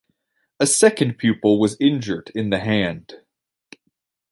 A second pupil was injured in the hand.